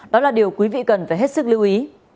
đó là điều quý vị cần phải hết sức lưu ý